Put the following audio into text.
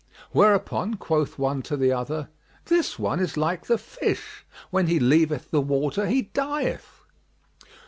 Whereupon quoth one to the other, "This one is like the fish: when he leaveth the water he dieth."